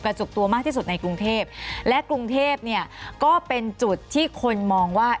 จุกตัวมากที่สุดในกรุงเทพและกรุงเทพเนี่ยก็เป็นจุดที่คนมองว่า